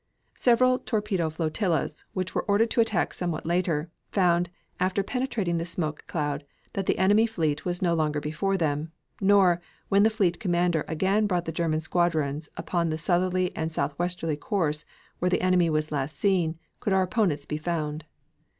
Several torpedo flotillas, which were ordered to attack somewhat later, found, after penetrating the smoke cloud, that the enemy fleet was no longer before them; nor, when the fleet commander again brought the German squadrons upon the southerly and southwesterly course where the enemy was last seen, could our opponents be found.